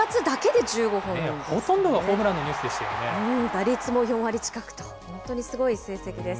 ほとんどがホームランのニュ打率も４割近くと、本当にすごい成績です。